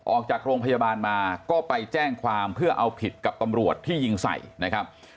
ออกจากโรงพยาบาลมาก็ไปแจ้งความเพื่อเอาผิดกับตำรวจที่ยิงใส่นะครับ